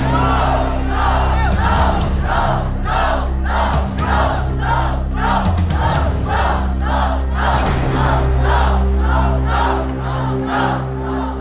สู้